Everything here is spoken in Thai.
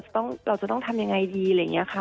เราจะต้องทำยังไงดีอะไรอย่างนี้ค่ะ